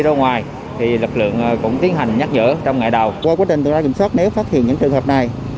qua quá trình tương lai kiểm soát nếu phát hiện những trường hợp này